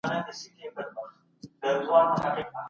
کمپيوټر انلاين شمېرې ښيي.